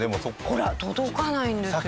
ほら届かないんですよ。